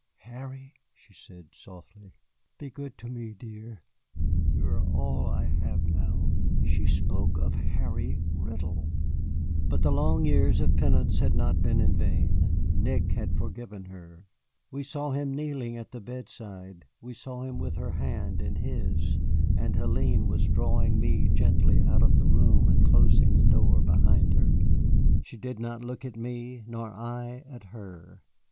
"Harry," she said softly, "be good to me, dear. You are all I have now." She spoke of Harry Riddle! But the long years of penance had not been in vain. Nick had forgiven her. We saw him kneeling at the bedside, we saw him with her hand in his, and Hélène was drawing me gently out of the room and closing the door behind her. She did not look at me, nor I at her.